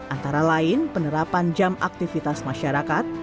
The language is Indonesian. antara lain penerapan jam aktivitas masyarakat